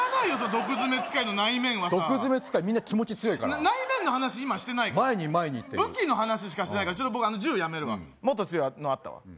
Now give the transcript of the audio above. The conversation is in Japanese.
毒爪使いの内面はさ毒爪使いみんな気持ち強いから内面の話今してないから前に前にっていう武器の話しかしてないからちょっと僕銃やめるわもっと強いのあったわ